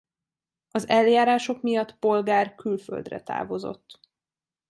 Az eljárások miatt Polgár külföldre távozott.